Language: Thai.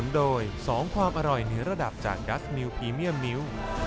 สนุนโดย๒ความอร่อยเนื้อระดับจากดัสมิลพรีเมียมมิลล์